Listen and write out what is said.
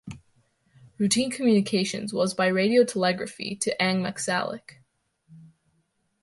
Routine communications was by radiotelegraphy to Angmagssalik.